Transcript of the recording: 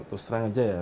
terus terang aja ya